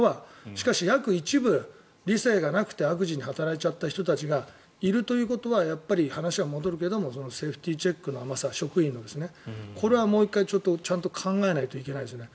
しかし一部は理性がなくて悪事に働いちゃった人たちがいるということはやっぱり話は戻るけど職員のセーフティーチェックの甘さこれはもう１回、ちゃんと考えないといけないですね。